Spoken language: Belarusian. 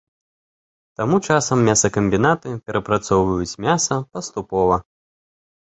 Таму часам мясакамбінаты перапрацоўваюць мяса паступова.